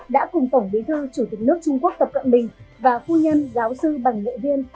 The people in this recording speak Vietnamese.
đã cùng tổng bí thư chủ tịch nước trung quốc tập cận bình và phu nhân giáo sư bằng nghệ viên